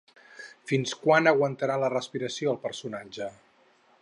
Fins quan aguantarà la respiració el personatge?